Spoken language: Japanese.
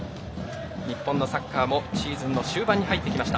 日本のサッカーもシーズンの終盤に入ってきました。